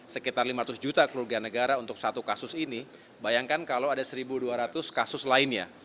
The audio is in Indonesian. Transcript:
sekitar lima ratus juta kerugian negara untuk satu kasus ini bayangkan kalau ada satu dua ratus kasus lainnya